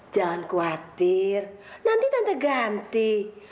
jangan khawatir nanti nanti ganti